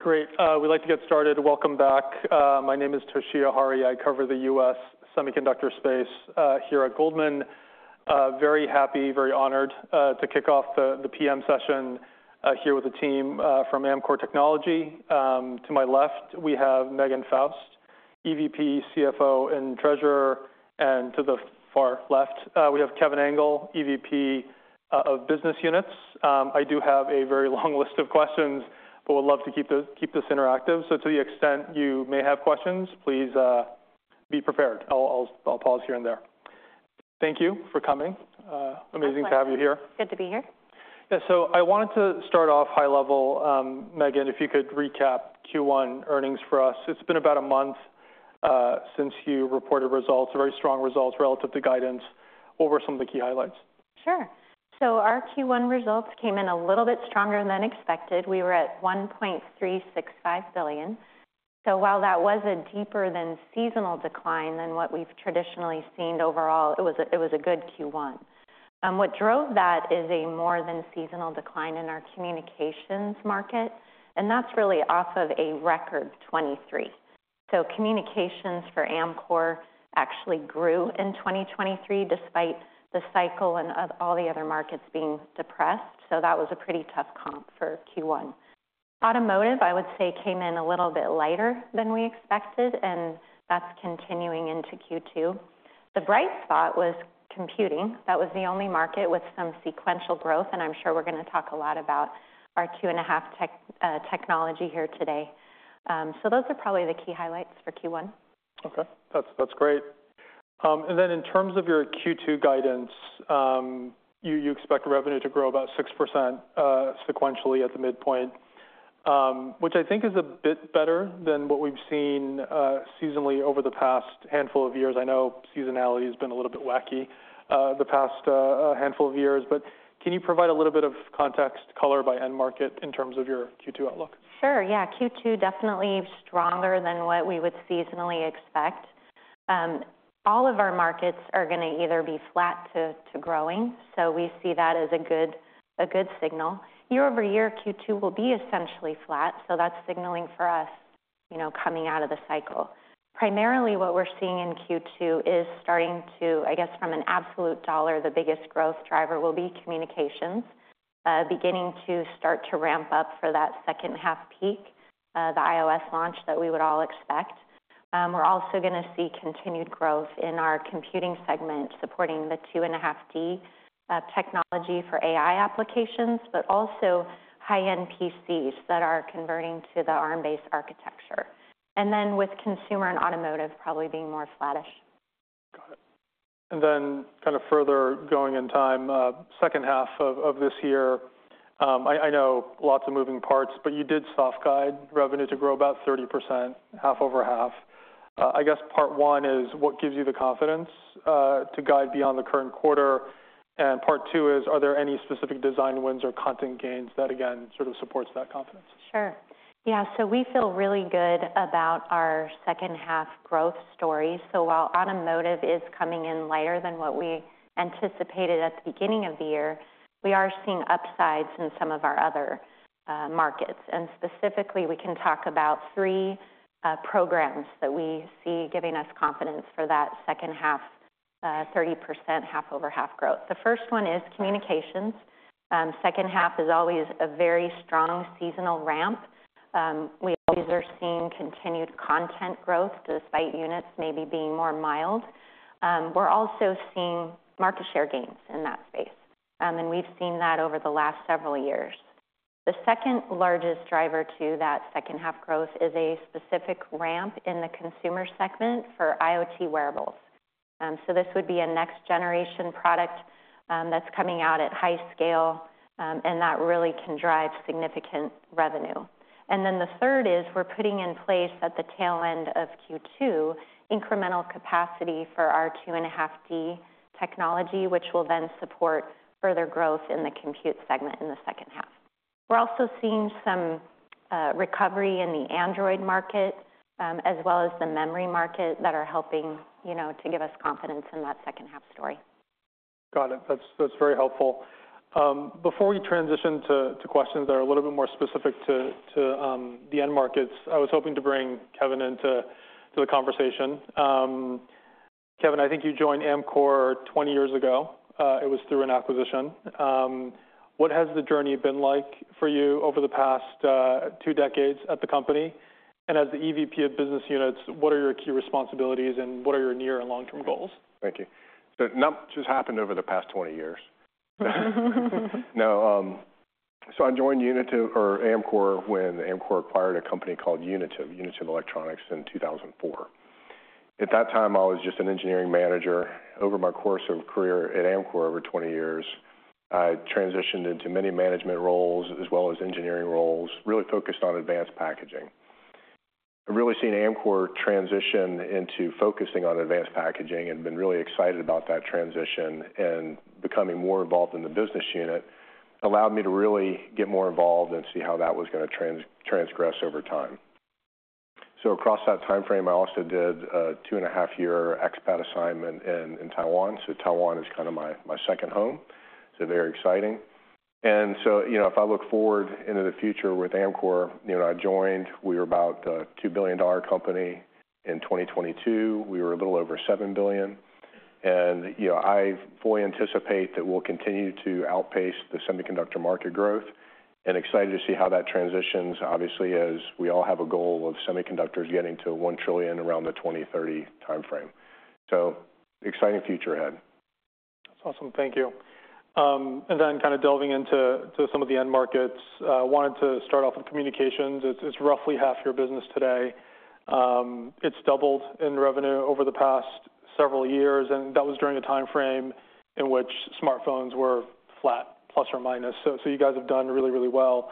Great. We'd like to get started. Welcome back. My name is Toshiya Hari. I cover the U.S. semiconductor space here at Goldman. Very happy, very honored to kick off the PM session here with the team from Amkor Technology. To my left, we have Megan Faust, EVP, CFO, and Treasurer, and to the far left, we have Kevin Engel, EVP of Business Units. I do have a very long list of questions, but would love to keep this interactive. So to the extent you may have questions, please be prepared. I'll pause here and there. Thank you for coming. Amazing to have you here. Good to be here. Yeah, so I wanted to start off high level. Megan, if you could recap Q1 earnings for us. It's been about a month, since you reported results, very strong results relative to guidance. What were some of the key highlights? Sure. So our Q1 results came in a little bit stronger than expected. We were at $1.365 billion. So while that was a deeper than seasonal decline than what we've traditionally seen overall, it was a good Q1. What drove that is a more than seasonal decline in our communications market, and that's really off of a record 2023. So communications for Amkor actually grew in 2023, despite the cycle and of all the other markets being depressed, so that was a pretty tough comp for Q1. Automotive, I would say, came in a little bit lighter than we expected, and that's continuing into Q2. The bright spot was computing. That was the only market with some sequential growth, and I'm sure we're gonna talk a lot about our 2.5D technology here today. So those are probably the key highlights for Q1. Okay. That's, that's great. And then in terms of your Q2 guidance, you, you expect revenue to grow about 6%, sequentially at the midpoint, which I think is a bit better than what we've seen, seasonally over the past handful of years. I know seasonality has been a little bit wacky, the past handful of years, but can you provide a little bit of context color by end market in terms of your Q2 outlook? Sure, yeah. Q2, definitely stronger than what we would seasonally expect. All of our markets are gonna either be flat to growing, so we see that as a good signal. Year-over-year, Q2 will be essentially flat, so that's signaling for us, you know, coming out of the cycle. Primarily, what we're seeing in Q2 is starting to, I guess from an absolute dollar, the biggest growth driver will be communications, beginning to start to ramp up for that second half peak, the iOS launch that we would all expect. We're also gonna see continued growth in our computing segment, supporting the 2.5D technology for AI applications, but also high-end PCs that are converting to the Arm-based architecture. And then, with consumer and automotive probably being more flattish. Got it. And then kind of further going in time, second half of this year, I know lots of moving parts, but you did soft guide revenue to grow about 30%, half-over-half. I guess part one is, what gives you the confidence to guide beyond the current quarter? And part two is, are there any specific design wins or content gains that, again, sort of supports that confidence? Sure. Yeah, so we feel really good about our second-half growth story. So while automotive is coming in lighter than what we anticipated at the beginning of the year, we are seeing upsides in some of our other, markets. And specifically, we can talk about 3, programs that we see giving us confidence for that second half, 30%, half-over-half growth. The first one is communications. Second half is always a very strong seasonal ramp. We always are seeing continued content growth, despite units maybe being more mild. We're also seeing market share gains in that space, and we've seen that over the last several years. The second largest driver to that second half growth is a specific ramp in the consumer segment for IoT wearables. So this would be a next-generation product, that's coming out at high scale, and that really can drive significant revenue. And then the third is we're putting in place, at the tail end of Q2, incremental capacity for our 2.5D technology, which will then support further growth in the compute segment in the second half. We're also seeing some recovery in the Android market, as well as the memory market, that are helping, you know, to give us confidence in that second-half story. Got it. That's very helpful. Before we transition to questions that are a little bit more specific to the end markets, I was hoping to bring Kevin into the conversation. Kevin, I think you joined Amkor 20 years ago. It was through an acquisition. What has the journey been like for you over the past 2 decades at the company? And as the EVP of Business Units, what are your key responsibilities, and what are your near- and long-term goals? Thank you. So not much has happened over the past 20 years. No, so I joined Unitive, or Amkor, when Amkor acquired a company called Unitive, Unitive Electronics, in 2004. At that time, I was just an engineering manager. Over my course of career at Amkor, over 20 years, I transitioned into many management roles, as well as engineering roles, really focused on advanced packaging. I've really seen Amkor transition into focusing on advanced packaging and been really excited about that transition, and becoming more involved in the business unit allowed me to really get more involved and see how that was gonna transgress over time. So across that timeframe, I also did a 2.5-year expat assignment in, in Taiwan. So Taiwan is kind of my, my second home, so very exciting. So, you know, if I look forward into the future with Amkor, you know, I joined, we were about a $2 billion company. In 2022, we were a little over $7 billion. You know, I fully anticipate that we'll continue to outpace the semiconductor market growth and excited to see how that transitions, obviously, as we all have a goal of semiconductors getting to $1 trillion around the 2030 timeframe. Exciting future ahead. That's awesome. Thank you. And then kind of delving into, to some of the end markets, wanted to start off with communications. It's, it's roughly half your business today. It's doubled in revenue over the past several years, and that was during a timeframe in which smartphones were flat, plus or minus, so, so you guys have done really, really well.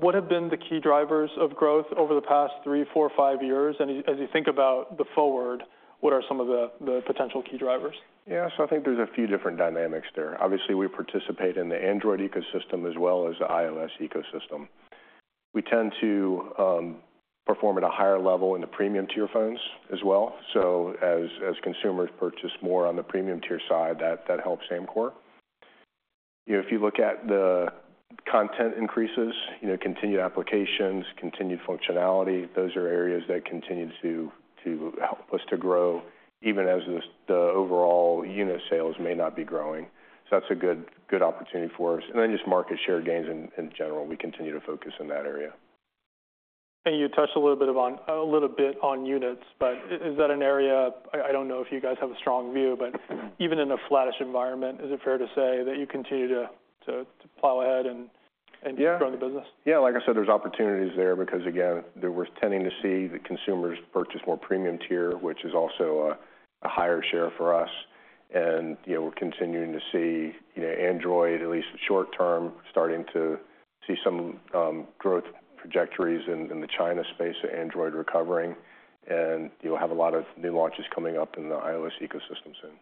What have been the key drivers of growth over the past three, four, five years? And as you think about the forward, what are some of the, the potential key drivers? Yeah, so I think there's a few different dynamics there. Obviously, we participate in the Android ecosystem as well as the iOS ecosystem. We tend to perform at a higher level in the premium tier phones as well. So as consumers purchase more on the premium tier side, that helps Amkor. You know, if you look at the content increases, you know, continued applications, continued functionality, those are areas that continue to help us to grow, even as the overall unit sales may not be growing. So that's a good opportunity for us, and then just market share gains in general, we continue to focus in that area. You touched a little bit on units, but is that an area... I don't know if you guys have a strong view, but even in a flattish environment, is it fair to say that you continue to plow ahead and... Yeah -grow the business? Yeah, like I said, there's opportunities there because, again, we're tending to see the consumers purchase more premium tier, which is also a higher share for us. And, you know, we're continuing to see, you know, Android, at least short term, starting to see some growth trajectories in the China space, Android recovering, and you'll have a lot of new launches coming up in the iOS ecosystem soon.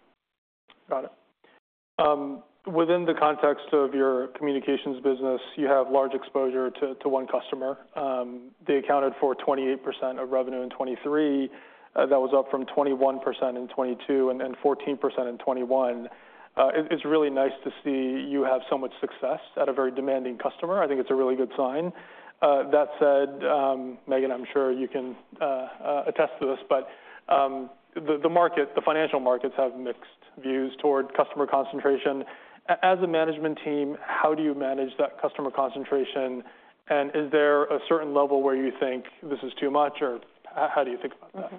Got it. Within the context of your communications business, you have large exposure to one customer. They accounted for 28% of revenue in 2023. That was up from 21% in 2022, and then 14% in 2021. It is really nice to see you have so much success at a very demanding customer. I think it is a really good sign. That said, Megan, I am sure you can attest to this, but the market, the financial markets have mixed views toward customer concentration. As a management team, how do you manage that customer concentration? And is there a certain level where you think this is too much, or how do you think about that?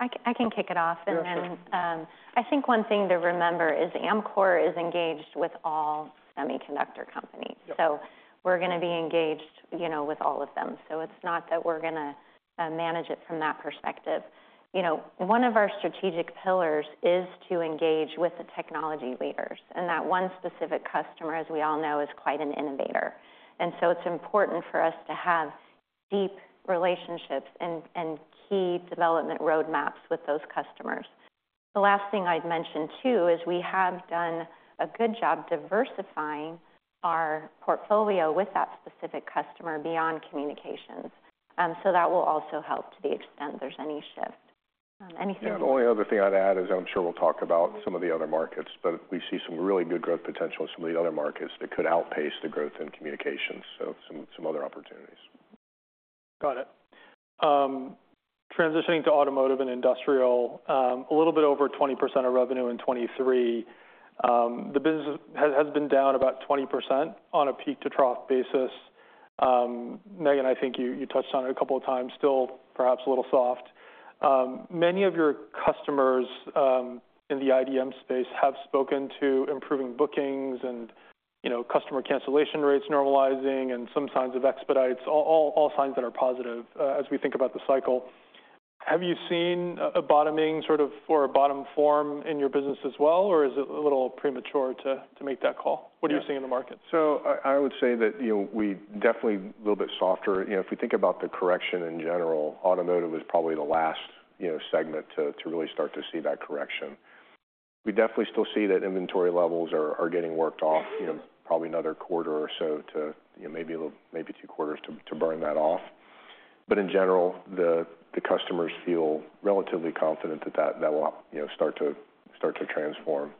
Mm-hmm. I can kick it off. Yeah, sure. I think one thing to remember is Amkor is engaged with all semiconductor companies. Yeah. So we're gonna be engaged, you know, with all of them. So it's not that we're gonna manage it from that perspective. You know, one of our strategic pillars is to engage with the technology leaders, and that one specific customer, as we all know, is quite an innovator. And so it's important for us to have deep relationships and, and key development roadmaps with those customers. The last thing I'd mention, too, is we have done a good job diversifying our portfolio with that specific customer beyond communications, so that will also help to the extent there's any shift. Anything- Yeah, the only other thing I'd add is, I'm sure we'll talk about some of the other markets, but we see some really good growth potential in some of the other markets that could outpace the growth in communications, so some, some other opportunities. Got it. Transitioning to automotive and industrial, a little bit over 20% of revenue in 2023. The business has, has been down about 20% on a peak-to-trough basis. Megan, I think you, you touched on it a couple of times, still perhaps a little soft. Many of your customers in the IDM space have spoken to improving bookings and, you know, customer cancellation rates normalizing and some signs of expedites, all, all signs that are positive, as we think about the cycle. Have you seen a, a bottoming, sort of, or a bottom form in your business as well, or is it a little premature to, to make that call? Yeah. What are you seeing in the market? So I would say that, you know, we definitely a little bit softer. You know, if we think about the correction in general, automotive was probably the last, you know, segment to really start to see that correction. We definitely still see that inventory levels are getting worked off, you know, probably another quarter or so to, you know, maybe two quarters to burn that off. But in general, the customers feel relatively confident that that will, you know, start to transform.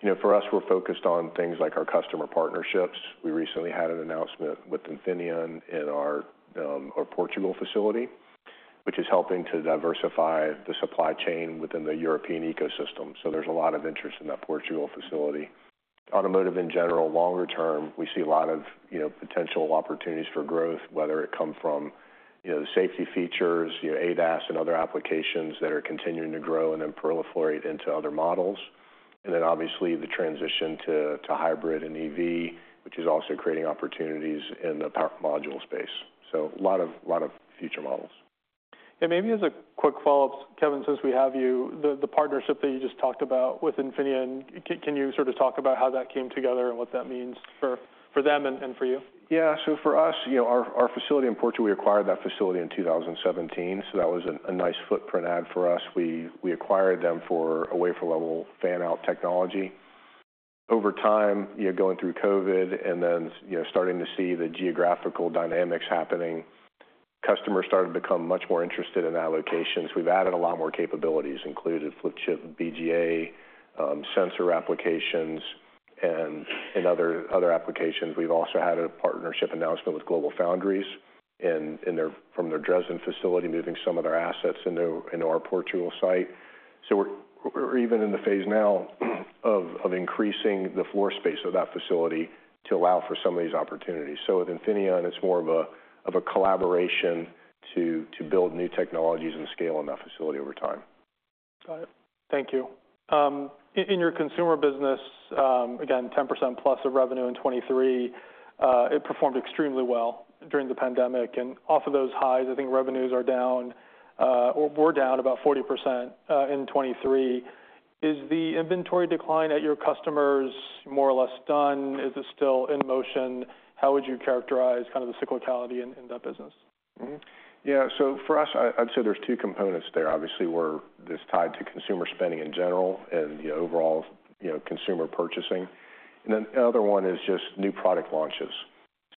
You know, for us, we're focused on things like our customer partnerships. We recently had an announcement with Infineon in our Portugal facility, which is helping to diversify the supply chain within the European ecosystem, so there's a lot of interest in that Portugal facility. Automotive, in general, longer term, we see a lot of, you know, potential opportunities for growth, whether it come from, you know, the safety features, you know, ADAS and other applications that are continuing to grow and then proliferate into other models. And then, obviously, the transition to, to hybrid and EV, which is also creating opportunities in the power module space. So a lot of, lot of future models. Maybe as a quick follow-up, Kevin, since we have you, the partnership that you just talked about with Infineon, can you sort of talk about how that came together and what that means for them and for you? Yeah. So for us, you know, our facility in Portugal, we acquired that facility in 2017, so that was a nice footprint add for us. We acquired them for a wafer-level fan-out technology. Over time, you're going through COVID, and then, you know, starting to see the geographical dynamics happening, customers started to become much more interested in allocations. We've added a lot more capabilities, including flip chip, BGA, sensor applications, and other applications. We've also had a partnership announcement with GlobalFoundries in their from their Dresden facility, moving some of their assets into our Portugal site. So we're even in the phase now of increasing the floor space of that facility to allow for some of these opportunities. So with Infineon, it's more of a collaboration to build new technologies and scale in that facility over time. Got it. Thank you. In your consumer business, again, 10% plus of revenue in 2023, it performed extremely well during the pandemic, and off of those highs, I think revenues are down, or were down about 40% in 2023. Is the inventory decline at your customers more or less done? Is it still in motion? How would you characterize kind of the cyclicality in that business? Mm-hmm. Yeah, so for us, I'd say there's two components there. Obviously, we're this tied to consumer spending in general and the overall, you know, consumer purchasing. And then the other one is just new product launches.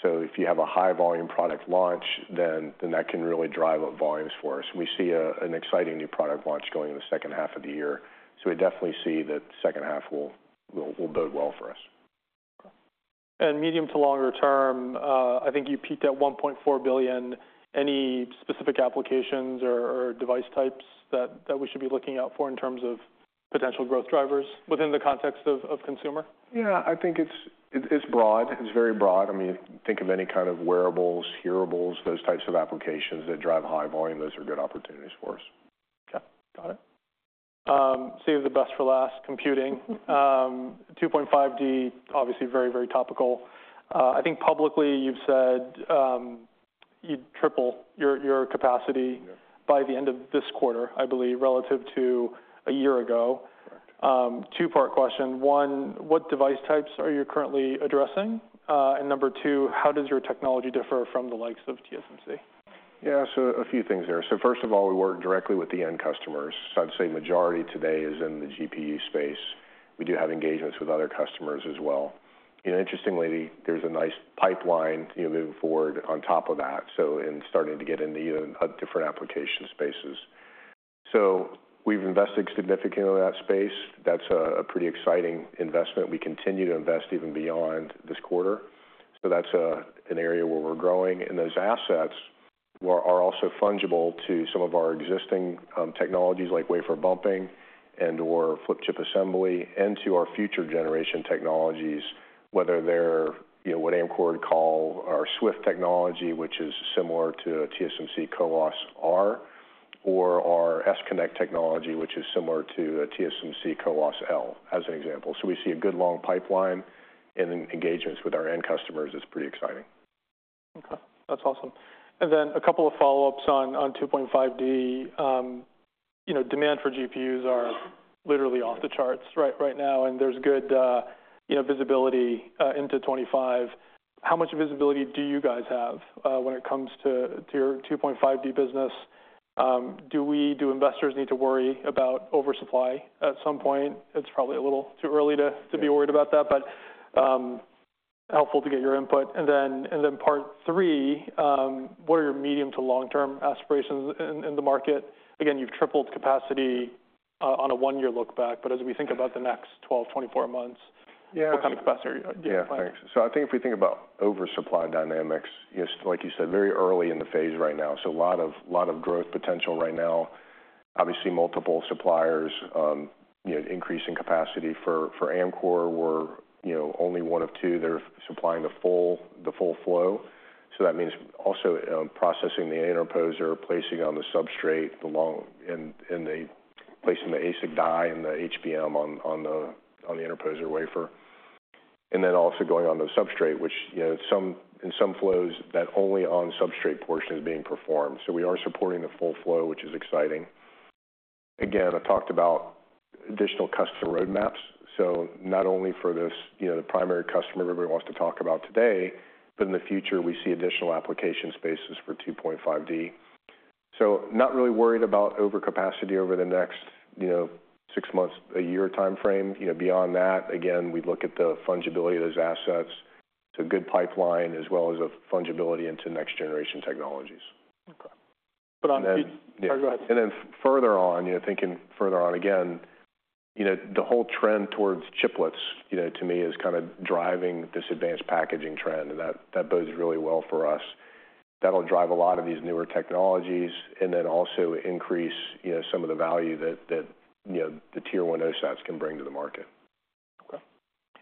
So if you have a high-volume product launch, then that can really drive up volumes for us. We see an exciting new product launch going in the second half of the year, so we definitely see that second half will bode well for us. Medium to longer term, I think you peaked at $1.4 billion. Any specific applications or device types that we should be looking out for in terms of potential growth drivers within the context of consumer? Yeah, I think it's broad. It's very broad. I mean, think of any kind of wearables, hearables, those types of applications that drive high volume, those are good opportunities for us. Okay, got it. Saved the best for last, computing. 2.5D, obviously very, very topical. I think publicly you've said, you'd triple your, your capacity- Yeah... by the end of this quarter, I believe, relative to a year ago. Correct. Two-part question. One, what device types are you currently addressing? And number two, how does your technology differ from the likes of TSMC? Yeah, so a few things there. So first of all, we work directly with the end customers. I'd say majority today is in the GPU space. We do have engagements with other customers as well. And interestingly, there's a nice pipeline, you know, moving forward on top of that, so, and starting to get into even different application spaces. So we've invested significantly in that space. That's a pretty exciting investment. We continue to invest even beyond this quarter, so that's an area where we're growing. And those assets were, are also fungible to some of our existing technologies, like wafer bumping and/or flip chip assembly, and to our future generation technologies, whether they're, you know, what Amkor call our SWIFT technology, which is similar to a TSMC CoWoS-R, or our S-Connect technology, which is similar to a TSMC CoWoS-L, as an example. We see a good long pipeline, and then engagements with our end customers is pretty exciting. Okay, that's awesome. And then a couple of follow-ups on 2.5D. You know, demand for GPUs are literally off the charts right now, and there's good visibility into 25. How much visibility do you guys have when it comes to your 2.5D business? Do we, do investors need to worry about oversupply at some point? It's probably a little too early to be worried about that, but helpful to get your input. And then part three, what are your medium to long-term aspirations in the market? Again, you've tripled capacity on a one-year look back, but as we think about the next 12 months, 24 months- Yeah What kind of capacity are you planning? Yeah, thanks. So I think if we think about oversupply dynamics, yes, like you said, very early in the phase right now, so a lot of, lot of growth potential right now. Obviously, multiple suppliers, you know, increasing capacity. For Amkor we're, you know, only one of two that are supplying the full, the full flow. So that means also, processing the interposer, placing on the substrate, and placing the ASIC die and the HBM on the interposer wafer. And then also going on the substrate, which, you know, in some flows, that only on substrate portion is being performed. So we are supporting the full flow, which is exciting. Again, I talked about additional customer roadmaps, so not only for this, you know, the primary customer everybody wants to talk about today, but in the future we see additional application spaces for 2.5D. So not really worried about overcapacity over the next, you know, six months, a year timeframe. You know, beyond that, again, we'd look at the fungibility of those assets. It's a good pipeline, as well as a fungibility into next-generation technologies. Okay. But on the- Yeah. Sorry, go ahead. And then further on, you know, thinking further on, again, you know, the whole trend towards chiplets, you know, to me is kind of driving this advanced packaging trend, and that bodes really well for us. That'll drive a lot of these newer technologies and then also increase, you know, some of the value that, you know, the tier one ASICs can bring to the market. Okay.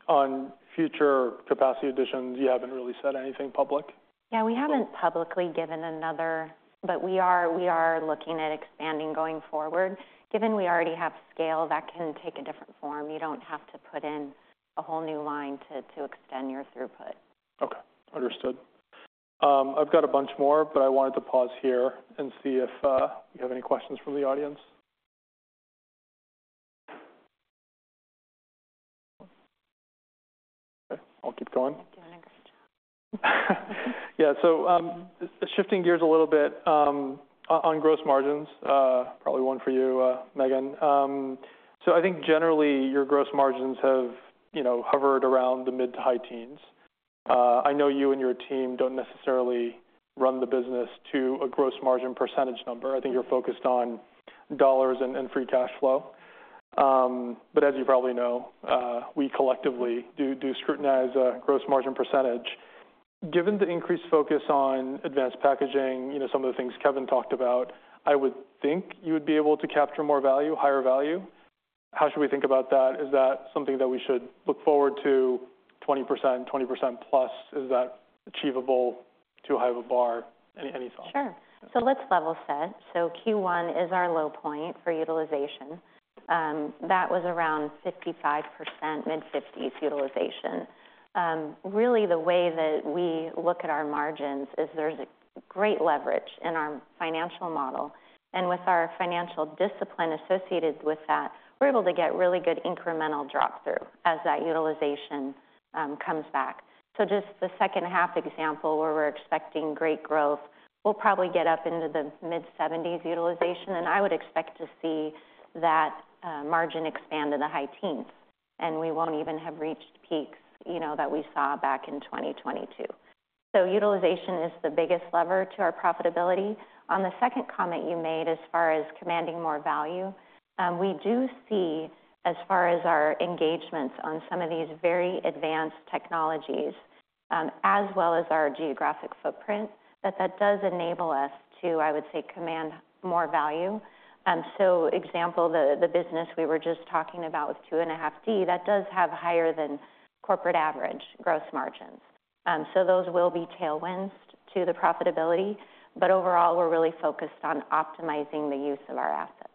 On future capacity additions, you haven't really said anything publicly? Yeah, we haven't publicly given another, but we are, we are looking at expanding going forward. Given we already have scale, that can take a different form. You don't have to put in a whole new line to, to extend your throughput. Okay, understood. I've got a bunch more, but I wanted to pause here and see if you have any questions from the audience. Okay, I'll keep going? Yeah. Yeah, so, shifting gears a little bit, on gross margins, probably one for you, Megan. So I think generally, your gross margins have, you know, hovered around the mid- to high teens. I know you and your team don't necessarily run the business to a gross margin percentage number. I think you're focused on dollars and free cash flow. But as you probably know, we collectively do scrutinize gross margin percentage. Given the increased focus on advanced packaging, you know, some of the things Kevin talked about, I would think you would be able to capture more value, higher value. How should we think about that? Is that something that we should look forward to 20%, 20% plus, is that achievable, too high of a bar, any thought? Sure. So let's level set. Q1 is our low point for utilization. That was around 55%, mid-fifties utilization. Really, the way that we look at our margins is there's a great leverage in our financial model, and with our financial discipline associated with that, we're able to get really good incremental drop through as that utilization comes back. So just the second half example, where we're expecting great growth, we'll probably get up into the mid-seventies utilization, and I would expect to see that margin expand in the high teens, and we won't even have reached peaks, you know, that we saw back in 2022. So utilization is the biggest lever to our profitability. On the second comment you made, as far as commanding more value, we do see, as far as our engagements on some of these very advanced technologies, as well as our geographic footprint, that that does enable us to, I would say, command more value. So example, the business we were just talking about with 2.5D, that does have higher than corporate average gross margins. So those will be tailwinds to the profitability, but overall, we're really focused on optimizing the use of our assets.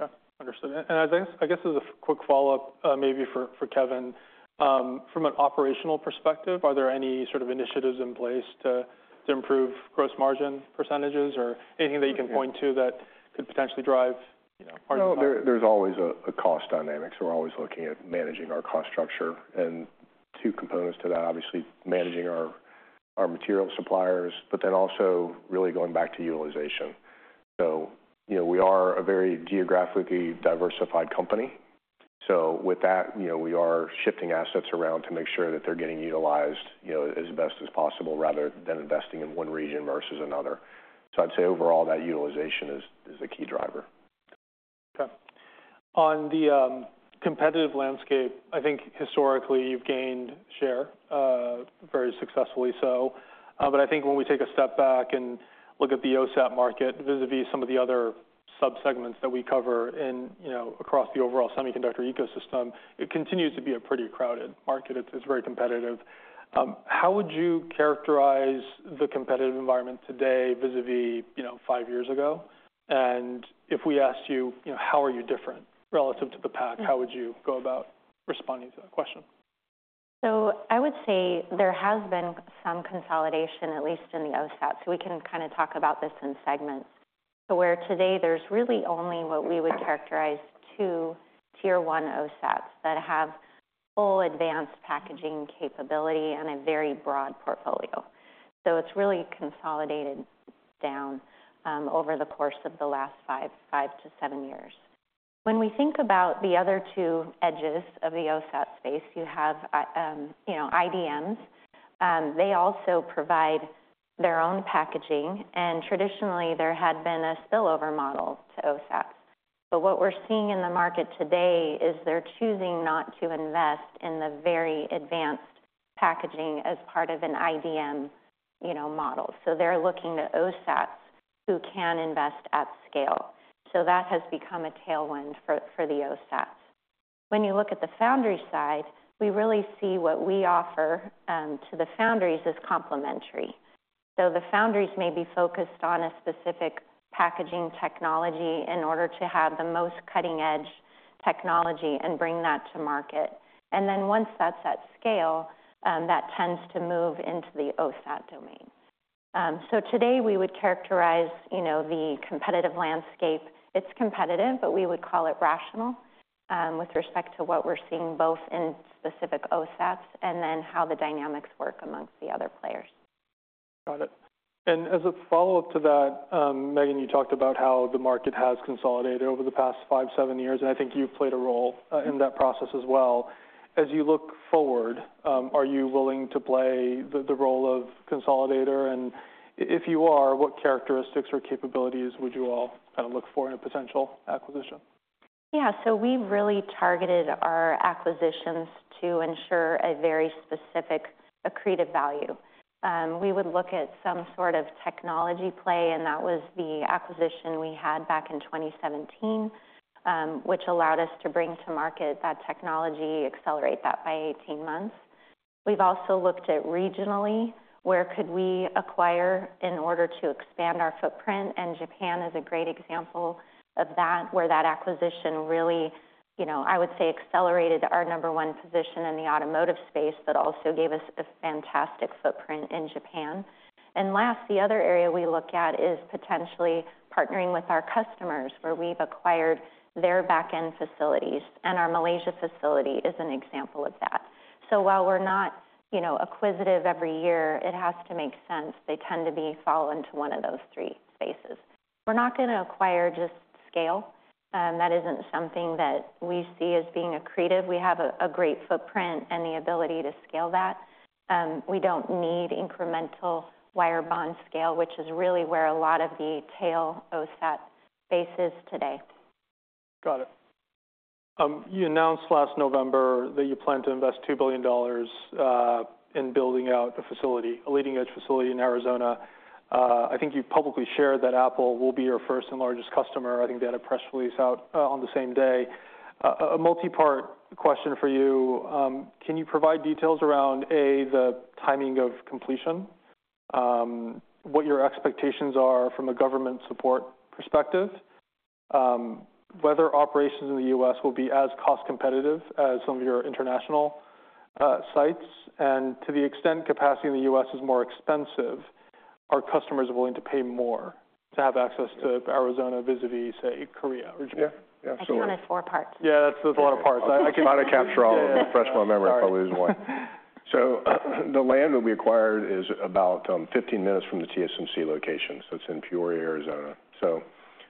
Okay, understood. I guess, I guess as a quick follow-up, maybe for, for Kevin, from an operational perspective, are there any sort of initiatives in place to, to improve gross margin percentages or anything that you can point to that could potentially drive, you know, margin? No, there's always a cost dynamic, so we're always looking at managing our cost structure and two components to that, obviously, managing our material suppliers, but then also really going back to utilization. So, you know, we are a very geographically diversified company. So with that, you know, we are shifting assets around to make sure that they're getting utilized, you know, as best as possible, rather than investing in one region versus another. So I'd say overall, that utilization is the key driver. Okay. On the competitive landscape, I think historically you've gained share very successfully so. But I think when we take a step back and look at the OSAT market, vis-a-vis some of the other subsegments that we cover in, you know, across the overall semiconductor ecosystem, it continues to be a pretty crowded market. It's very competitive. How would you characterize the competitive environment today, vis-a-vis, you know, five years ago? And if we asked you, you know, how are you different relative to the pack, how would you go about responding to that question? So I would say there has been some consolidation, at least in the OSAT, so we can kind of talk about this in segments. So where today there's really only what we would characterize two Tier One OSATs that have full advanced packaging capability and a very broad portfolio. So it's really consolidated down over the course of the last 5-7 years. When we think about the other two edges of the OSAT space, you have you know, IDMs. They also provide their own packaging, and traditionally, there had been a spillover model to OSAT. But what we're seeing in the market today is they're choosing not to invest in the very advanced packaging as part of an IDM, you know, model. So they're looking to OSAT who can invest at scale. So that has become a tailwind for the OSAT. When you look at the foundry side, we really see what we offer to the foundries as complementary. So the foundries may be focused on a specific packaging technology in order to have the most cutting-edge technology and bring that to market. And then once that's at scale, that tends to move into the OSAT domain. So today, we would characterize, you know, the competitive landscape. It's competitive, but we would call it rational, with respect to what we're seeing both in specific OSATs and then how the dynamics work amongst the other players. Got it. And as a follow-up to that, Megan, you talked about how the market has consolidated over the past 5-7 years, and I think you've played a role in that process as well. As you look forward, are you willing to play the role of consolidator? And if you are, what characteristics or capabilities would you all kind of look for in a potential acquisition? Yeah, so we've really targeted our acquisitions to ensure a very specific accretive value. We would look at some sort of technology play, and that was the acquisition we had back in 2017, which allowed us to bring to market that technology, accelerate that by 18 months. We've also looked at regionally, where could we acquire in order to expand our footprint, and Japan is a great example of that, where that acquisition really, you know, I would say, accelerated our number one position in the automotive space, but also gave us a fantastic footprint in Japan. And last, the other area we look at is potentially partnering with our customers, where we've acquired their back-end facilities, and our Malaysia facility is an example of that. So while we're not, you know, acquisitive every year, it has to make sense. They tend to fall into one of those three spaces. We're not gonna acquire just scale, that isn't something that we see as being accretive. We have a great footprint and the ability to scale that. We don't need incremental wire bond scale, which is really where a lot of the tail OSAT space is today. Got it. You announced last November that you plan to invest $2 billion in building out a facility, a leading-edge facility in Arizona. I think you publicly shared that Apple will be your first and largest customer. I think they had a press release out on the same day. A multi-part question for you. Can you provide details around, A, the timing of completion? What your expectations are from a government support perspective, whether operations in the U.S. will be as cost-competitive as some of your international sites? And to the extent capacity in the U.S. is more expensive, are customers willing to pay more to have access to Arizona, vis-a-vis, say, Korea or Japan? Yeah, yeah, sure. I think that's four parts. Yeah, that's a lot of parts. I can- Try to capture all of them. Refresh my memory, I probably lose one. So the land that we acquired is about 15 minutes from the TSMC location, so it's in Peoria, Arizona. So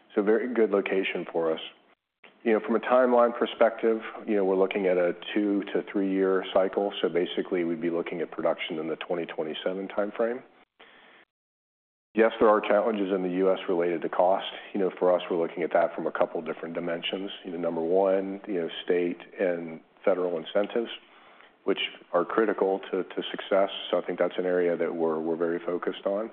it's a very good location for us. You know, from a timeline perspective, you know, we're looking at a 2- to 3-year cycle, so basically, we'd be looking at production in the 2027 timeframe. Yes, there are challenges in the U.S. related to cost. You know, for us, we're looking at that from a couple different dimensions. Number one, you know, state and federal incentives, which are critical to success, so I think that's an area that we're very focused on.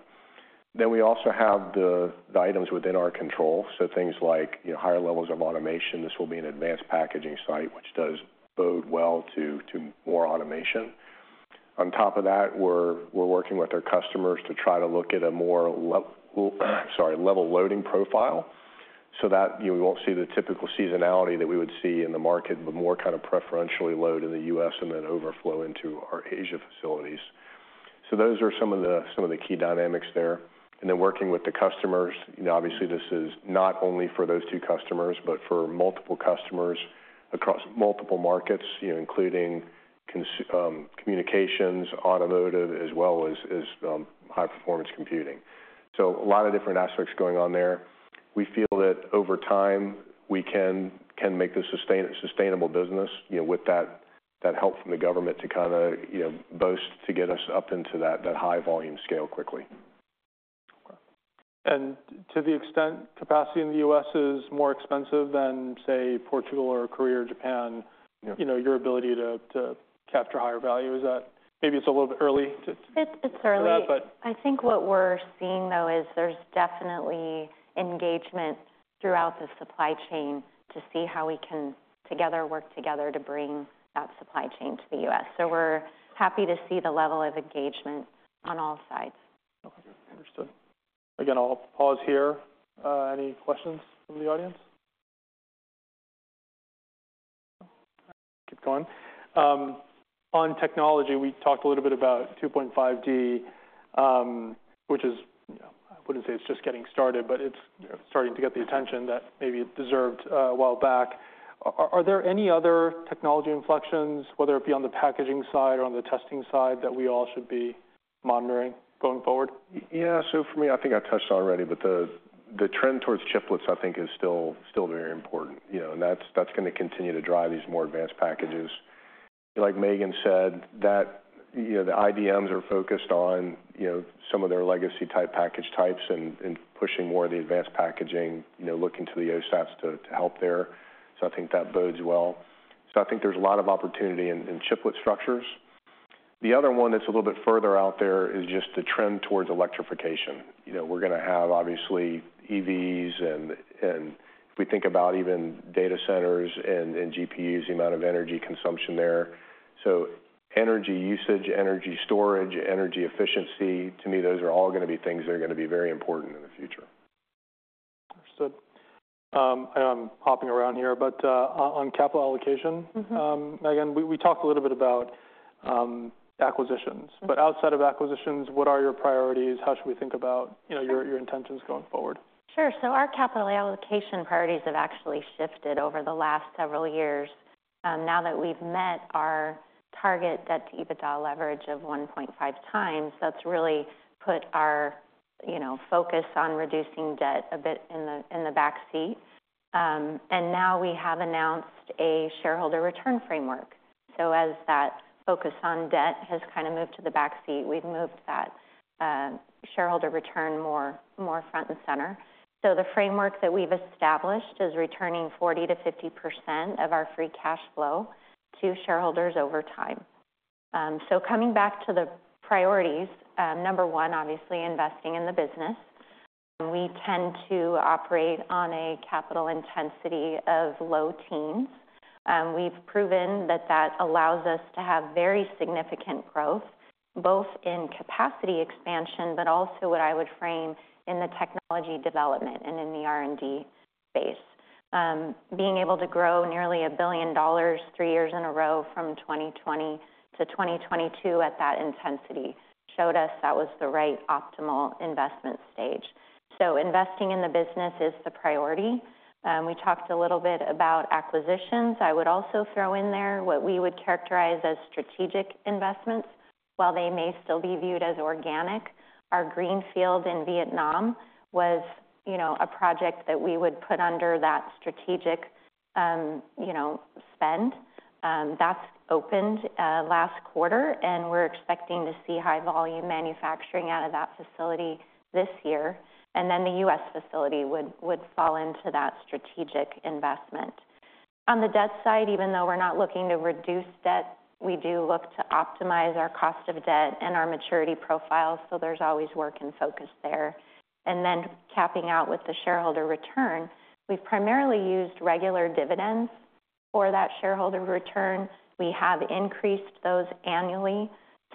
Then we also have the items within our control, so things like higher levels of automation. This will be an advanced packaging site, which does bode well to more automation. On top of that, we're working with our customers to try to look at a more level loading profile, so that, you know, we won't see the typical seasonality that we would see in the market, but more kind of preferentially load in the U.S. and then overflow into our Asia facilities. So those are some of the key dynamics there. And then working with the customers, you know, obviously, this is not only for those two customers, but for multiple customers across multiple markets, you know, including communications, automotive, as well as high-performance computing. So a lot of different aspects going on there. We feel that over time, we can make this sustainable business, you know, with that help from the government to kinda, you know, boost to get us up into that high volume scale quickly. To the extent capacity in the U.S. is more expensive than, say, Portugal or Korea, or Japan, you know, your ability to capture higher value, is that maybe it's a little bit early to- It's early. But- I think what we're seeing, though, is there's definitely engagement throughout the supply chain to see how we can, together, work together to bring that supply chain to the U.S. So we're happy to see the level of engagement on all sides. Okay, understood. Again, I'll pause here. Any questions from the audience? Keep going. On technology, we talked a little bit about 2.5D, which is, you know, I wouldn't say it's just getting started, but it's, you know, starting to get the attention that maybe it deserved a while back. Are there any other technology inflections, whether it be on the packaging side or on the testing side, that we all should be monitoring going forward? Yeah, so for me, I think I've touched on already, but the trend towards chiplets, I think, is still very important. You know, and that's gonna continue to drive these more advanced packages. Like Megan said, you know, the IDMs are focused on some of their legacy-type package types and pushing more of the advanced packaging, looking to the OSATs to help there. So I think that bodes well. So I think there's a lot of opportunity in chiplet structures. The other one that's a little bit further out there is just the trend towards electrification. You know, we're gonna have, obviously, EVs, and if we think about even data centers and GPUs, the amount of energy consumption there. Energy usage, energy storage, energy efficiency, to me, those are all gonna be things that are gonna be very important in the future. Understood. I'm hopping around here, but on capital allocation- Mm-hmm. Megan, we talked a little bit about acquisitions, but outside of acquisitions, what are your priorities? How should we think about, you know, your intentions going forward? Sure. So our capital allocation priorities have actually shifted over the last several years. Now that we've met our target debt to EBITDA leverage of 1.5 times, that's really put our, you know, focus on reducing debt a bit in the back seat. And now we have announced a shareholder return framework. So as that focus on debt has kind of moved to the back seat, we've moved that shareholder return more front and center. So the framework that we've established is returning 40%-50% of our free cash flow to shareholders over time. So coming back to the priorities, number 1, obviously, investing in the business. We tend to operate on a capital intensity of low teens. We've proven that that allows us to have very significant growth, both in capacity expansion, but also what I would frame in the technology development and in the R&D space. Being able to grow nearly $1 billion three years in a row from 2020 to 2022 at that intensity showed us that was the right optimal investment stage. So investing in the business is the priority. We talked a little bit about acquisitions. I would also throw in there what we would characterize as strategic investments. While they may still be viewed as organic, our greenfield in Vietnam was, you know, a project that we would put under that strategic, you know, spend. That's opened last quarter, and we're expecting to see high volume manufacturing out of that facility this year, and then the US facility would fall into that strategic investment. On the debt side, even though we're not looking to reduce debt, we do look to optimize our cost of debt and our maturity profile, so there's always work and focus there. Then, capping out with the shareholder return, we've primarily used regular dividends for that shareholder return. We have increased those annually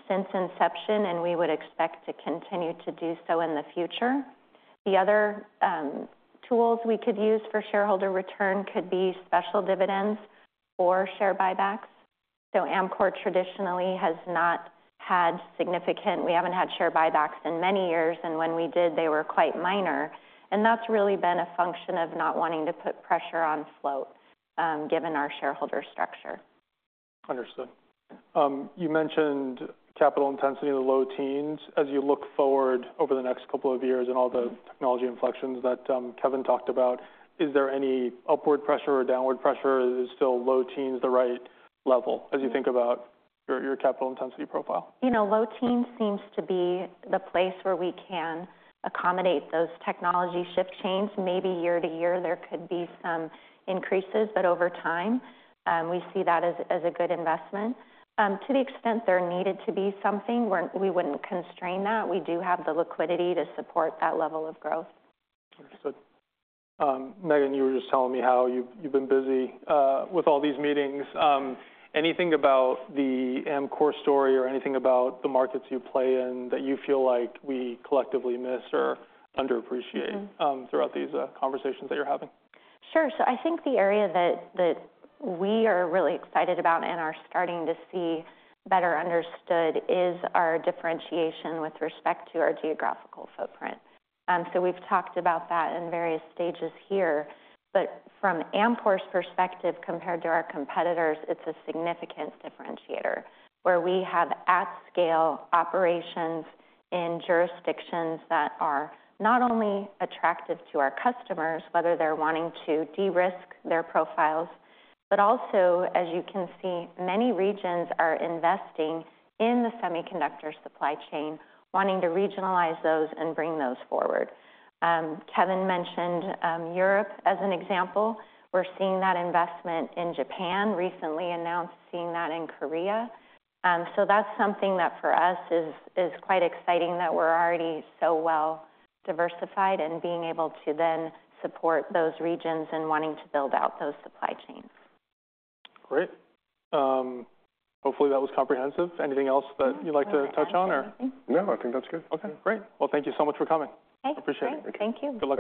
since inception, and we would expect to continue to do so in the future. The other tools we could use for shareholder return could be special dividends or share buybacks. So Amkor traditionally has not had significant. We haven't had share buybacks in many years, and when we did, they were quite minor, and that's really been a function of not wanting to put pressure on float, given our shareholder structure. Understood. You mentioned capital intensity in the low teens. As you look forward over the next couple of years and all the technology inflections that, Kevin talked about, is there any upward pressure or downward pressure? Is still low teens the right level, as you think about your, your capital intensity profile? You know, low teens seems to be the place where we can accommodate those technology shift chains. Maybe year to year, there could be some increases, but over time, we see that as, as a good investment. To the extent there needed to be something, we wouldn't constrain that. We do have the liquidity to support that level of growth. Understood. Megan, you were just telling me how you've been busy with all these meetings. Anything about the Amkor story or anything about the markets you play in, that you feel like we collectively miss or underappreciate? Mm-hmm. throughout these conversations that you're having? Sure. So I think the area that, that we are really excited about and are starting to see better understood is our differentiation with respect to our geographical footprint. So we've talked about that in various stages here, but from Amkor's perspective, compared to our competitors, it's a significant differentiator, where we have at-scale operations in jurisdictions that are not only attractive to our customers, whether they're wanting to de-risk their profiles, but also, as you can see, many regions are investing in the semiconductor supply chain, wanting to regionalize those and bring those forward. Kevin mentioned Europe as an example. We're seeing that investment in Japan, recently announced, seeing that in Korea. So that's something that, for us, is, is quite exciting, that we're already so well diversified and being able to then support those regions and wanting to build out those supply chains. Great. Hopefully, that was comprehensive. Anything else that you'd like to touch on, or? No, I don't think anything. No, I think that's good. Okay, great. Well, thank you so much for coming. Okay. Appreciate it. Great. Thank you. Good luck.